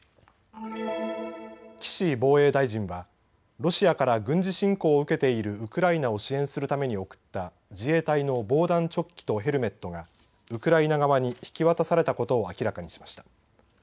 岸防衛大臣はロシアから軍事侵攻を受けているウクライナを支援するために送った自衛隊の防弾チョッキとヘルメットがウクライナ側に引き渡されたことを明らかにしました。